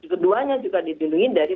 keduanya juga didindungi dari